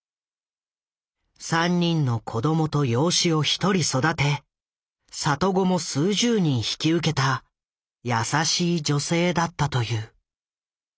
３人の子供と養子を１人育て里子も数十人引き受けた優しい女性だったという。